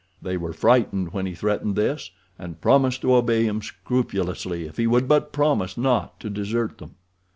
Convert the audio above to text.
They were frightened when he threatened this, and promised to obey him scrupulously if he would but promise not to desert them.